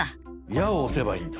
「や」を押せばいいんだ。